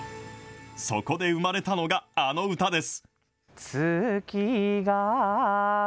そこで生まれたのがあの歌です。